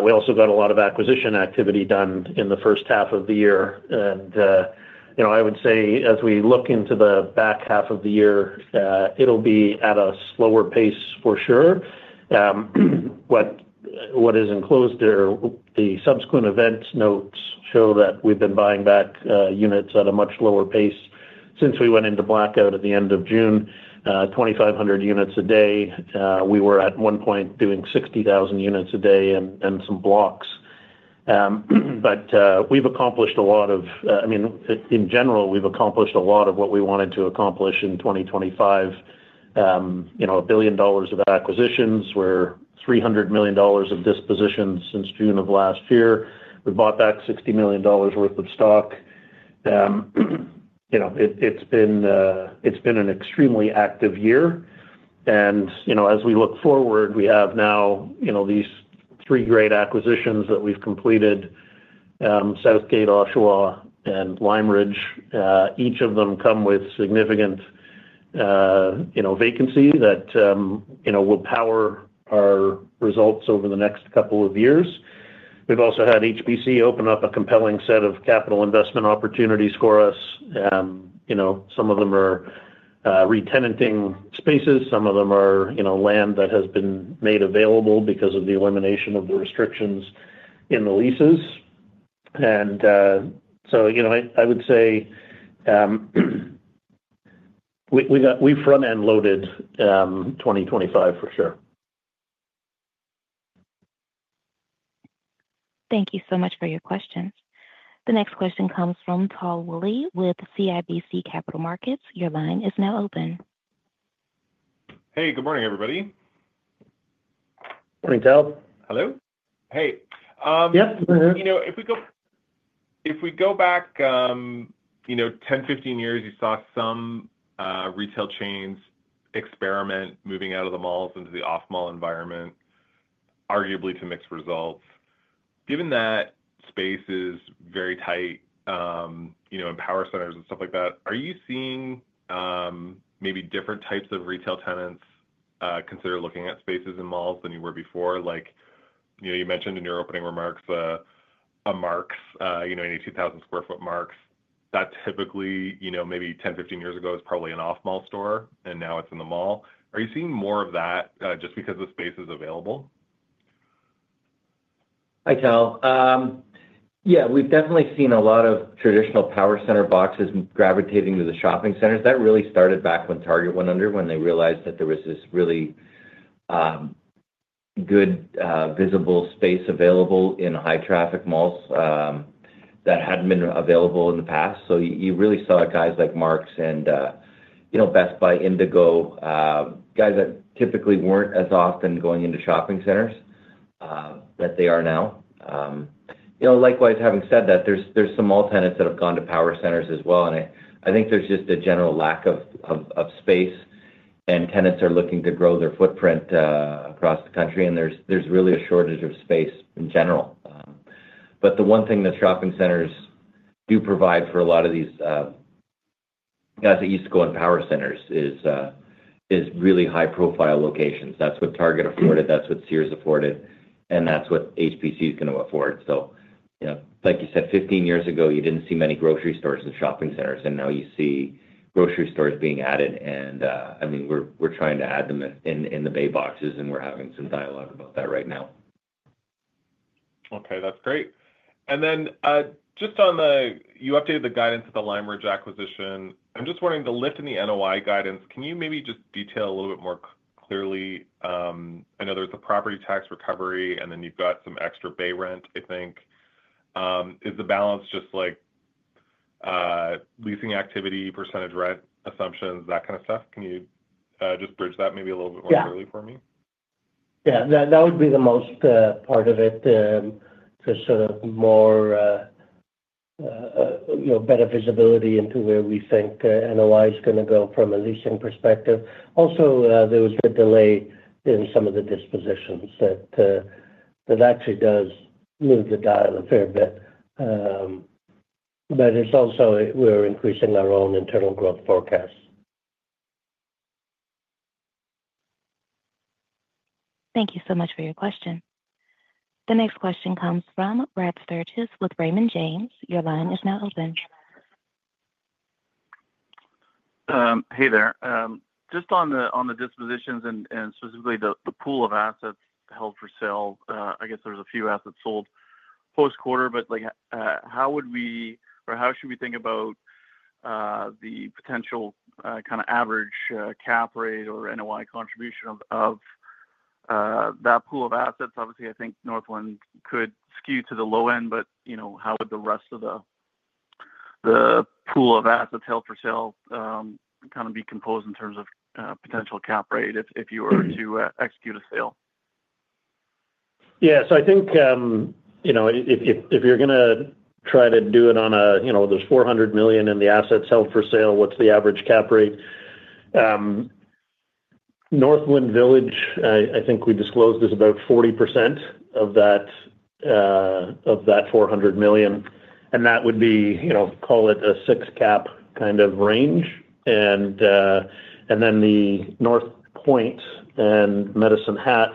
We also got a lot of acquisition activity done in the first half of the year. As we look into the back half of the year, it'll be at a slower pace for sure. What is enclosed there? The subsequent events notes show that we've been buying back units at a much lower pace since we went into blackout at the end of June. 2,500 units a day. We were at one point doing 60,000 units a day and some blocks. We've accomplished a lot of, I mean in general we've accomplished a lot of what we wanted to accomplish in 2025, you know, $1 billion dollars of acquisitions, $300 million of dispositions. Since June of last year, we bought back $60 million worth of stock. It's been an extremely active year and as we look forward, we have now these three great acquisitions that we've completed: Southgate, Oshawa, and Lime Ridge. Each of them come with significant vacancy that will power our results over the next couple of years. We've also had HBC open up a compelling set of capital investment opportunities for us. Some of them are retenanting spaces, some of them are land that has been made available because of the elimination of the restrictions in the leases. I would say we front end loaded 2025 for sure. Thank you so much for your question. The next question comes from Tal Woolley with CIBC Capital Markets. Your line is now open. Hey, good morning everybody. Morning, Tal. Hello. Hey, if we go back, you know, 10, 15 years, you saw some retail chains experiment moving out of the malls into the off mall environment, arguably to mixed results. Given that space is very tight, you know, power centers and stuff like that. Are you seeing maybe different types of retail tenants consider looking at spaces in malls than you were before? Like, you know, you mentioned in your opening remarks a Marks, you know, any 2,000 square foot Marks that typically, you know, maybe 10, 15 years ago was probably an off mall store and now. It's in the mall. Are you seeing more of that just because the space is available? HI, Tal. Yeah, we've definitely seen a lot of traditional power center boxes gravitating to the shopping centers. That really started back when Target went under, when they realized that there was this really good visible space available in high traffic malls that hadn't been available in the past. You really saw guys like Mark's and, you know, Best Buy, Indigo, guys that typically weren't as often going into shopping centers that they are now. You know, likewise. Having said that, there are some tenants that have gone to power centers as well. I think there's just a general lack of space and tenants are looking to grow their footprint across the country, and there's really a shortage of space in general. The one thing that shopping centers do provide for a lot of these guys that used to go on power centers is really high profile locations. That's what Target afforded, that's what Sears afforded, and that's what HBC is going to afford. Like you said, 15 years ago, you didn't see many grocery stores in shopping centers, and now you see grocery stores being added. I mean, we're trying to add them in the Bay boxes, and we're having some dialogue about that right now. Okay, that's great. Just on the, you updated. The guidance of the Lime Ridge acquisition. I'm just wondering, the lift in the NOI guidance, can you maybe just detail a little bit more clearly? I know there's a property tax recovery and then you've got some extra bay rent, I think is the balance just like leasing activity, percentage rent assumptions, that kind of stuff. Can you just bridge that maybe a little bit early for me? Yeah, that would be the most part of it. Just sort of more, you know, better visibility into where we think NOI is going to go from a leasing perspective. Also, there was a delay in some of the dispositions that actually does move the dial a fair bit. It's also we're increasing our own internal growth forecasts. Thank you so much for your question. The next question comes from Brad Sturges with Raymond James. Your line is now open. Hey there. Just on the dispositions and specifically the pool of assets held for sale, I guess there's a few assets sold post quarter, but how should we think about the potential kind of average cap rate or NOI contribution of that pool of assets? Obviously, I think Northland could skew to the low end, but how would the rest of the pool of assets held for sale be composed in terms of potential cap rate if you were to execute a sale? Yes, I think if you're going to try to do it on a, you know, there's $400 million in the assets held for sale. What's the average cap rate? Northland Village, I think we disclosed is about 40% of that $400 million. That would be, call it a six cap kind of range. The Northpointe and Medicine Hat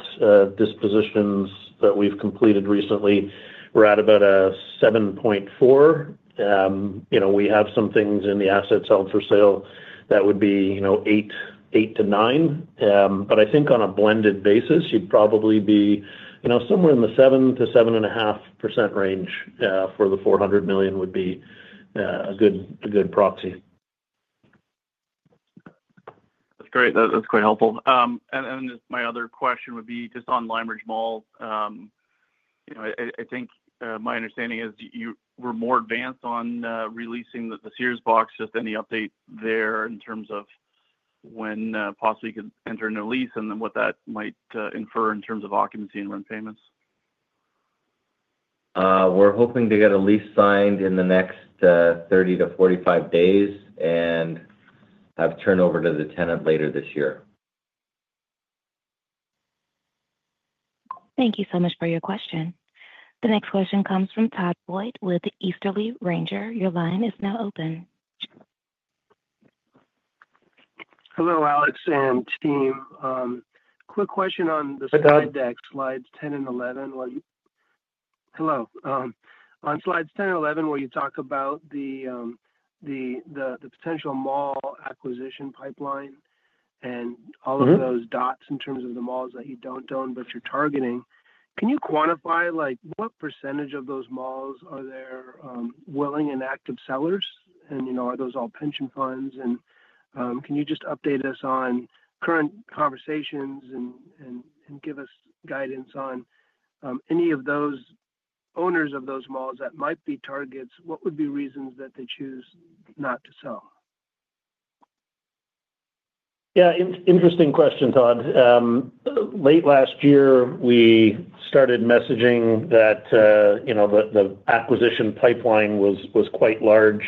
dispositions that we've completed recently, we're at about, you know, we have some things in the assets held for sale that would be 8%-9%, but I think on a blended basis you'd probably be somewhere in the 7%-7.5% range for the $400 million would be a good proxy. That's great. That's quite helpful. My other question would be just on Lime Ridge Mall, I think my understanding is you were more advanced on releasing the Sears box. Just any update there in terms of when possibly you could enter a new lease and then what that might infer in terms of occupancy and rent payments. We're hoping to get a lease signed in the next 30 days-45 days and have turnover to the tenant later this year. Thank you so much for your question. The next question comes from Todd Voigt with Easterly Ranger. Your line is now open. Hello, Alex and team, quick question on the slide deck, slides 10 and 11. On slides 10 and 11, where you talk about the potential mall acquisition pipeline and all of those dots in terms of the malls that you don't own but you're targeting, can you quantify, like, what percentage of those malls are there. Willing and active sellers, you know. Are those all pension funds? Can you just update us on current conversations and give us guidance on any of those owners of those malls that might be targets? What would be reasons that they choose not to sell? Yeah, interesting question, Todd. Late last year we started messaging that, you know, the acquisition pipeline was quite large.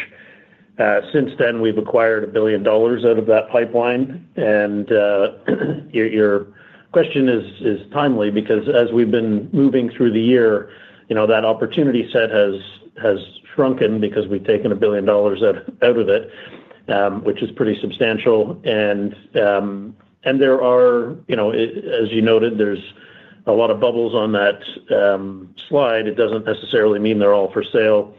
Since then we've acquired $1 billion out of that pipeline. Your question is timely because as we've been moving through the year, that opportunity set has shrunken because we've taken $1 billion out of it, which is pretty substantial. There are, you know, as you noted, a lot of bubbles on that slide. It doesn't necessarily mean they're all for sale.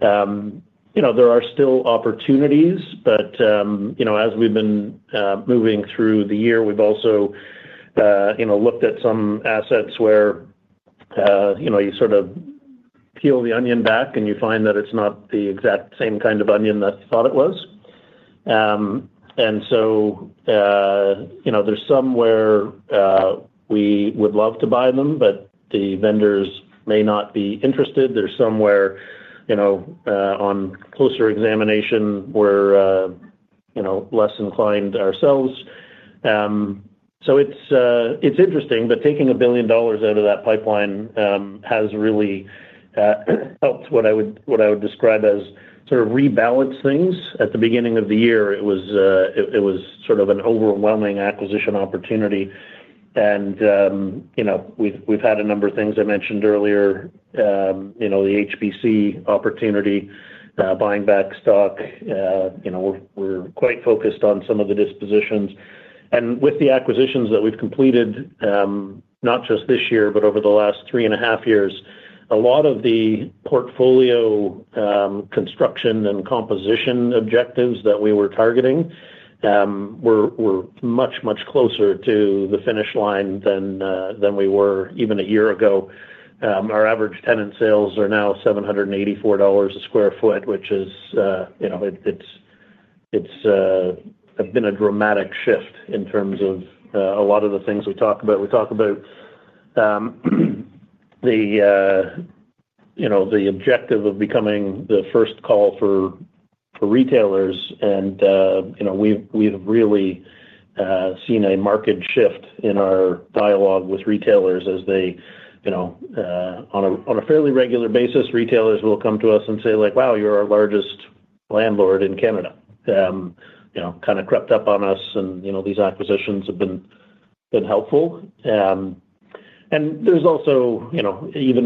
There are still opportunities. As we've been moving through the year, we've also looked at some assets where you sort of peel the onion back and you find that it's not the exact same kind of onion that you thought it was. There are some where we would love to buy them, but the vendors may not be interested. There's some where, on closer examination, we're less inclined ourselves. It's interesting. Taking $1 billion out of that pipeline has really helped what I would describe as sort of rebalance things. At the beginning of the year, it was sort of an overwhelming acquisition opportunity. We've had a number of things I mentioned earlier. The HBC opportunity, buying back stock. We're quite focused on some of the dispositions. With the acquisitions that we've completed, not just this year but over the last three and a half years, a lot of the portfolio construction and composition objectives that we were targeting were much, much closer to the finish line than we were even a year ago. Our average tenant sales are now $784 a square foot, which is a dramatic shift in terms of a lot of the things we talk about. We talk about the objective of becoming the first call for retailers. We have really seen a marked shift in our dialogue with retailers as they, on a fairly regular basis, will come to us and say, like, wow, you're our largest landlord in Canada. It kind of crept up on us and these acquisitions have been helpful. Even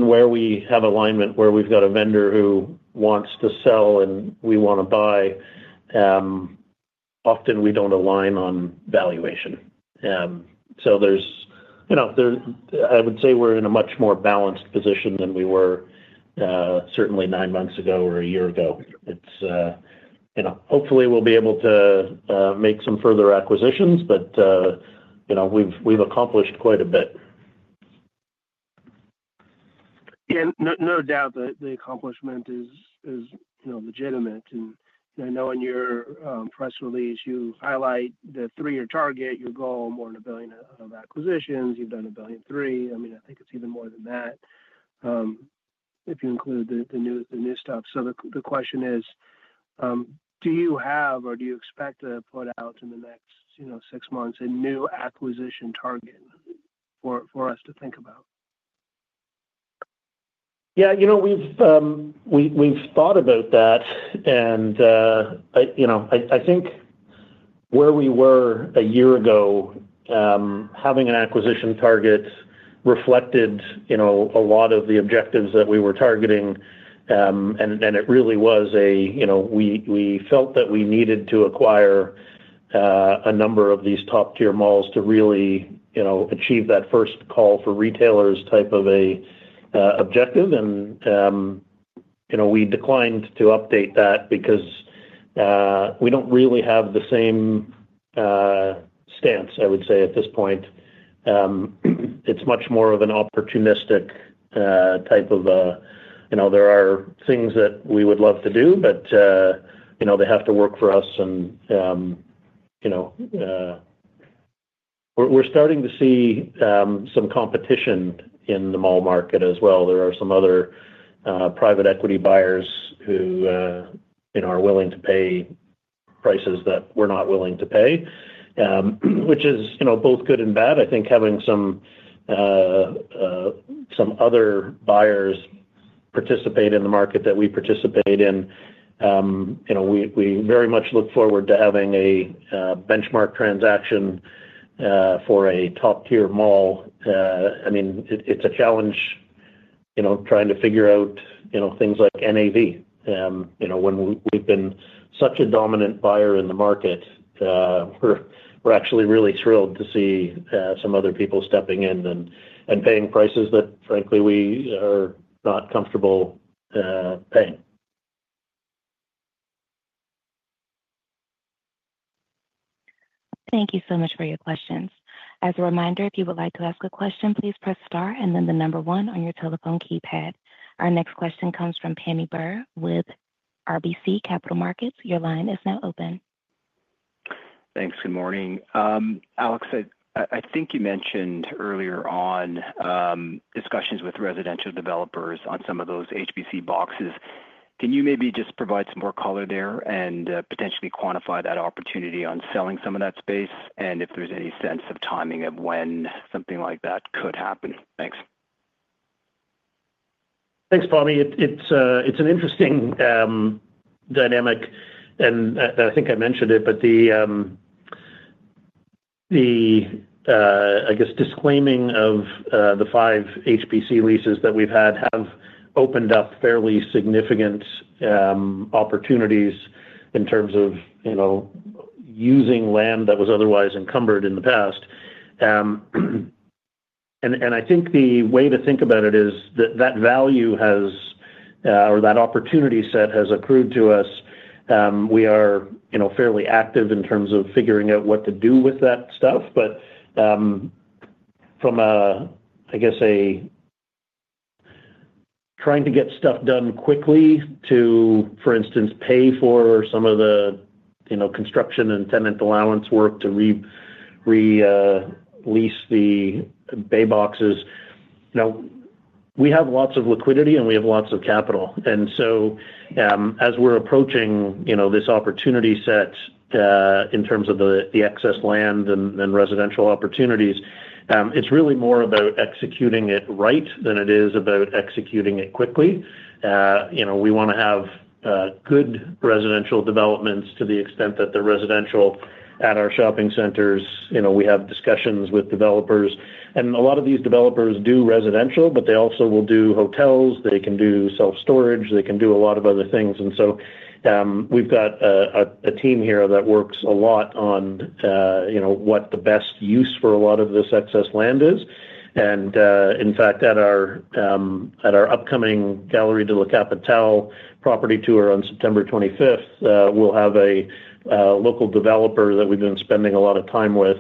where we have alignment, where we've got a vendor who wants to sell and we want to buy, often we don't align on valuation. I would say we're in a much more balanced position than we were certainly nine months ago or a year ago. Hopefully we'll be able to make some further acquisitions. We've accomplished quite a bit. No doubt that the accomplishment is legitimate. I know in your press release. You highlight the three year target. Goal, more than $1 billion of acquisitions. You've done $1.3 billion. I mean, I think it's even more than that if you include the new stuff. The question is, do you have or do you expect to put out in the next six months a new acquisition target for us to think about? Yeah, you know, we've thought about that and I think where we were a year ago, having an acquisition target reflected a lot of the objectives that we were targeting. It really was a, you know, we felt that we needed to acquire a number of these top tier malls to really achieve that first call for retailers type of objective. We declined to update that because we don't really have the same stance. I would say at this point it's much more of an opportunistic type. There are things that we would love to do but they have to work for us. We're starting to see some competition in the mall market as well. There are some other private equity buyers who are willing to pay prices that we're not willing to pay, which is both good and bad. I think having some other buyers participate in the market that we participate in is positive. We very much look forward to having a benchmark transaction for a top tier mall. It's a challenge trying to figure out things like navigation. When we've been such a dominant buyer in the market, we're actually really thrilled to see some other people stepping in and paying prices that frankly we are not comfortable paying. Thank you so much for your questions. As a reminder, if you would like to ask a question, please press star and then the number one on your telephone keypad. Our next question comes from Pammi Bir with RBC Capital Markets. Your line is now open. Thanks. Good morning, Alex. I think you mentioned earlier on discussions with residential developers on some of those HBC boxes. Can you maybe just provide some more. Color there and potentially quantify that opportunity on selling some of that space, and if there's any sense of timing of when something like that could happen. Thanks. Thanks, Pammi. It's an interesting dynamic and I think I mentioned it, but the, I guess, disclaiming of the five HBC leases that we've had have opened up fairly significant opportunities in terms of using land that was otherwise encumbered in the past. I think the way to think about it is that value has, or that opportunity set has accrued to us. We are fairly active in terms of figuring out what to do with that stuff. From a trying to get stuff done quickly to, for instance, pay for some of the construction and tenant allowance work to re-lease the bay boxes, we have lots of liquidity and we have lots of capital. As we're approaching this opportunity set in terms of the excess land and residential opportunities, it's really more about executing it right than it is about executing it quickly. We want to have good residential developments to the extent that the residential at our shopping centers, we have discussions with developers and a lot of these developers do residential, but they also will do hotels, they can do self storage, they can do a lot of other things. We've got a team here that works a lot on what the best use for a lot of this excess land is. In fact, at our upcoming Galerie de la Capitale property tour on September 25, we'll have a local developer that we've been spending a lot of time with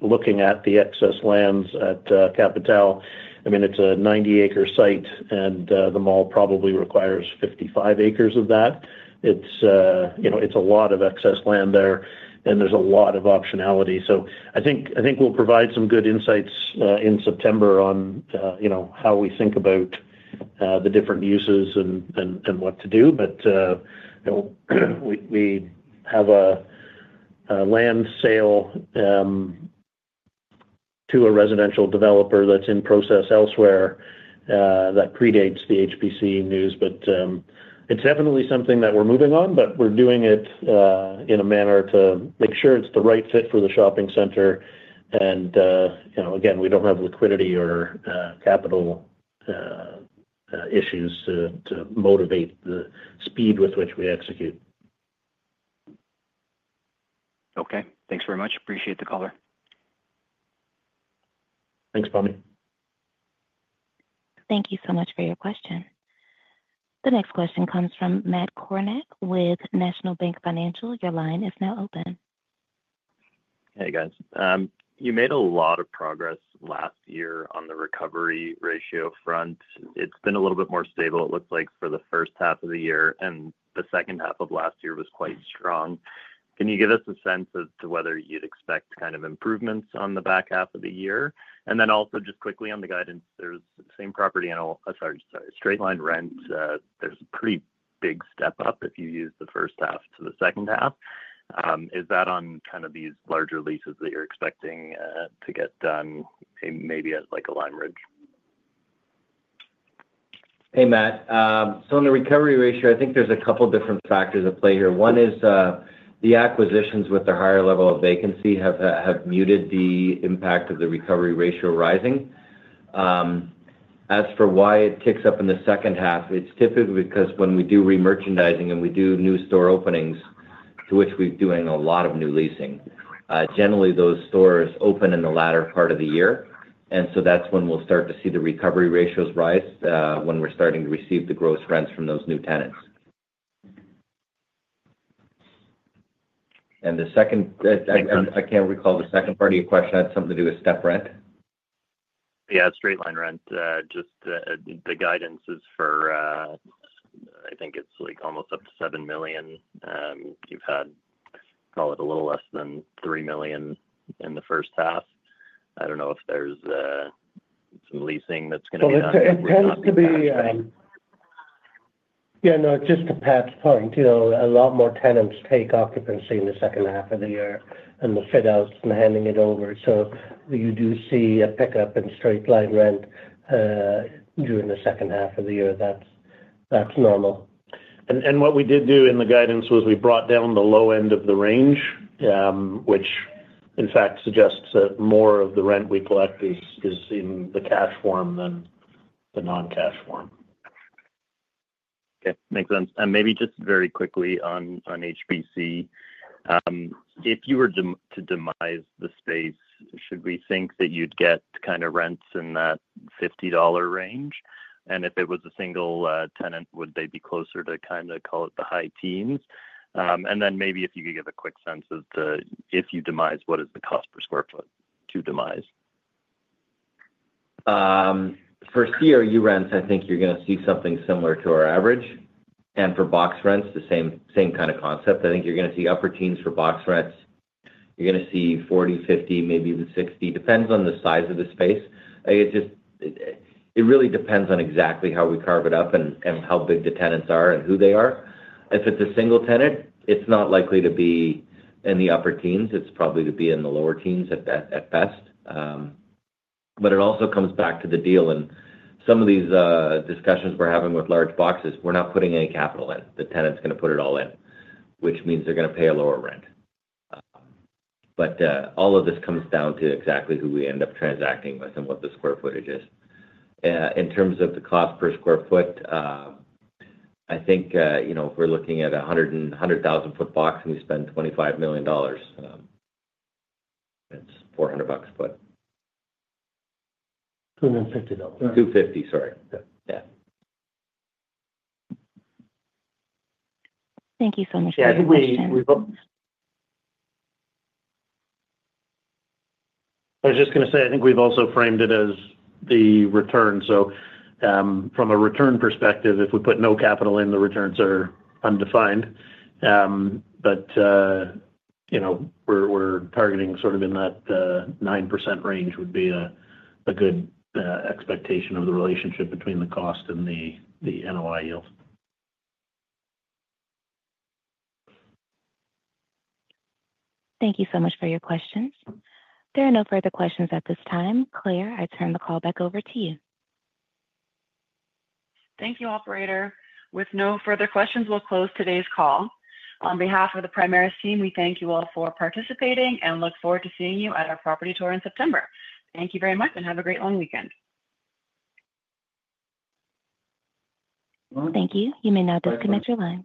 looking at the excess lands at Capitale. I mean, it's a 90-acre site and the mall probably requires 55 acres of that. It's a lot of excess land there and there's a lot of optionality. I think we'll provide some good insights in September on how we think about the different uses and what to do. We have a land sale. To. A residential developer that's in process elsewhere that predates the HBC news, but it's definitely something that we're moving on. We're doing it in a manner to make sure it's the right fit for the shopping center. We don't have liquidity or capital issues to motivate the speed with which we execute. Okay, thanks very much. Appreciate the call. Thanks, Pammi. Thank you so much for your question. The next question comes from Matt Kornack with National Bank Financial. Your line is now open. Hey guys. You made a lot of progress last. Year on the recovery ratio front. It's been a little bit more stable, it looks like, for the first half. Of the year and the second half. Of last year was quite strong. Can you give us a sense as. To whether you'd expect kind of improvements. On the back half of the year. Also, just quickly on the guidance, there's same property and, sorry, straight line rent. There's a pretty big step up if you use the first half to the second half. Is that on kind of these larger. Leases that you're expecting to get done? Maybe like Lime Ridge. Hey, Matt. On the recovery ratio, I think there's a couple different factors at play here. One is the acquisitions with their higher level of vacancy have muted the impact of the recovery ratio rising. As for why it ticks up in the second half, it's typically because when we do remerchandising and we do new store openings, to which we're doing a lot of new leasing, generally those stores open in the latter part of the year. That's when we'll start to see the recovery ratios rise, when we're starting to receive the gross rents from those new tenants. I can't recall, the second part of your question had something to do with step rent. Yeah, straight-line rent, just the guidance is for, I think it's like almost up to $7 million. You've had, call it a little less than $3 million in the first half. I don't know if there's some leasing. That's going to be. Yeah, no, just to Pat's point, a lot more tenants take occupancy in the second half of the year and the fit out and handing it over. You do see a pickup in straight line rent during the second half of the year. That's normal. What we did do in the guidance was we brought down the low end of the range, which in fact suggests that more of the rent we collect is in the cash form than the non-cash form. Okay, makes sense. Maybe just very quickly, on HBC, if you were to demise the space, should we think that you'd get kind of rents in that $50 range? If it was a single tenant, would. They be closer to kind of call it the high teens, and then maybe. If you could give a quick sense of the, if you demise, what is the cost per square foot to demise? For CRU rents, I think you're going to see something similar to our average, and for box rents, the same kind of concept. I think you're going to see upper teens. For box rents, you're going to see $40, $50, maybe even $60. It depends on the size of the space. It really depends on exactly how we carve it up and how big the tenants are and who they are. If it's a single tenant, it's not likely to be in the upper teens. It's probably to be in the lower teens at best. It also comes back to the deal and some of these discussions we're having with large boxes. We're not putting any capital in. The tenant's going to put it all in, which means they're going to pay a lower rent. All of this comes down to exactly who we end up transacting with and what the square footage is in terms of the cost per square foot. I think, you know, if we're looking at a 100,000 ft box and we spend $25 million, it's $400, but. $250. $250. Sorry. Yeah. Thank you so much. I think we've also framed it as the return. From a return perspective, if we put no capital in, the returns are undefined, but, you know, we're targeting sort of in that 9% range would be a good expectation of the relationship between the cost and the NOI yield. Thank you so much for your questions. There are no further questions at this time. Claire, I turn the call back over to you. Thank you, Operator. With no further questions, we'll close today's call. On behalf of the Primaris team, we thank you all for participating and look forward to seeing you at our property tour in September. Thank you very much and have a great long weekend. Thank you. You may now disconnect your lines.